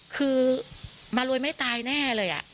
คือมารวยไม่ตายแน่เลย